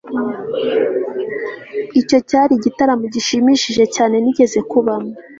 Icyo cyari igitaramo gishimishije cyane nigeze kubamo